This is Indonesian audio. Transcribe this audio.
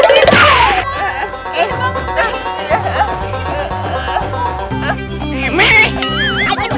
buah yang ditolongin